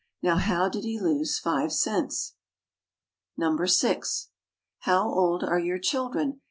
Now how did he lose five cents? No. 6. "How old are your children?"